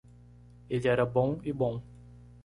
Ele era bom e bom.